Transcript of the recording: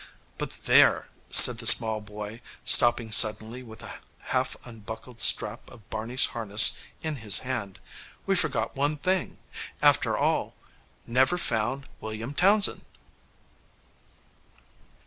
"But there!" said the Small Boy, stopping suddenly with a half unbuckled strap of Barney's harness in his hand: "we forgot one thing, after all: never found William Townsend!"